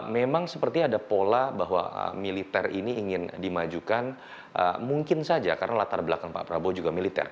memang seperti ada pola bahwa militer ini ingin dimajukan mungkin saja karena latar belakang pak prabowo juga militer